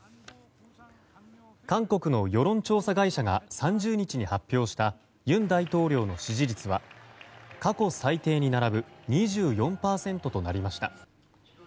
韓国の世論調査会社が３０日に発表した尹大統領の支持率は過去最低に並ぶ２４％となりました。